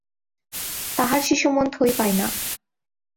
তাহার শিশুমন থই পায় না।